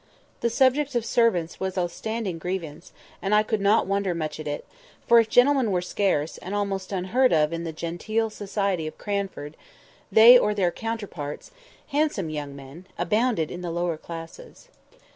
This subject of servants was a standing grievance, and I could not wonder much at it; for if gentlemen were scarce, and almost unheard of in the "genteel society" of Cranford, they or their counterparts—handsome young men—abounded in the lower classes.